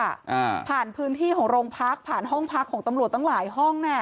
อ่าผ่านพื้นที่ของโรงพักผ่านห้องพักของตำรวจตั้งหลายห้องน่ะ